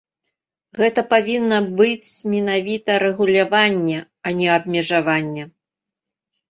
Гэта павінна быць менавіта рэгуляванне, а не абмежаванне.